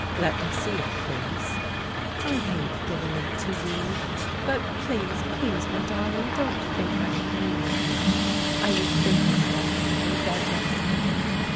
" Let me see it, please. " I hate giving it to you. But please, please, my dar ling, don't think I agree with her. I was thinking about it in bed last night.